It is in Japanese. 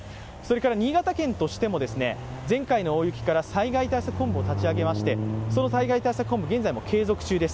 新潟県としても、前回の大雪から災害対策本部を立ち上げまして、その災害対策本部、現在も継続中です。